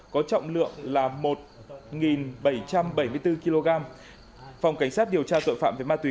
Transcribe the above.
có trọng lượng là một bảy trăm bảy mươi bốn kg phòng cảnh sát điều tra tội phạm về ma túy